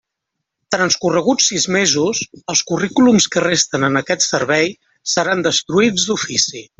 Transcorreguts sis mesos, els currículums que resten en aquest Servei seran destruïts d'ofici.